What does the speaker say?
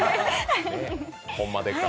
「ホンマでっか！？」